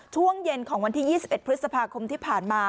ช่วงเย็นของวันที่๒๑พฤษภาคมที่ผ่านมา